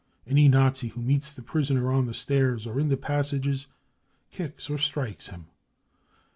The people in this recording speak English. Any Nazi who meets the prisoner on the stairs or in the passages kicks or strikes him.